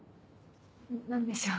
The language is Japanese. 何でしょう？